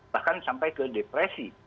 bahkan sampai ke depresi